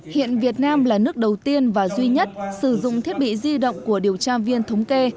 hiện việt nam là nước đầu tiên và duy nhất sử dụng thiết bị di động của điều tra viên thống kê